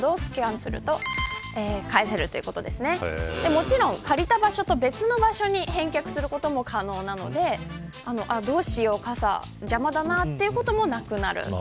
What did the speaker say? もちろん、借りた場所と別の場所に返却することも可能なのでどうしよう傘邪魔だなということもなくなる。